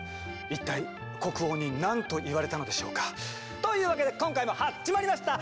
一体国王に何と言われたのでしょうか？というわけで今回も始まりました！